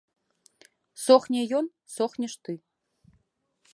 Сохне ён, сохнеш ты.